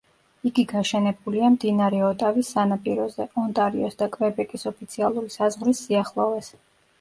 იგი გაშენებულია მდინარე ოტავის სანაპიროზე, ონტარიოს და კვებეკის ოფიციალური საზღვრის სიახლოვეს.